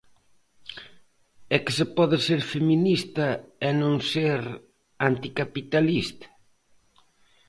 É que se pode ser feminista e non ser anticapitalista?